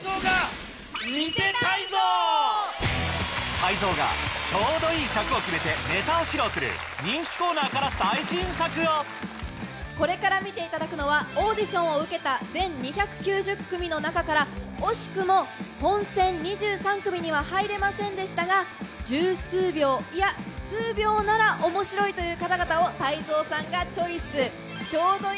泰造がちょうどいい尺を決めてネタを披露する人気コーナーから最新作をこれから見ていただくのはオーディションを受けた全２９０組の中から惜しくも本戦２３組には入れませんでしたが１０数秒いや数秒なら面白いという方々を泰造さんがチョイス。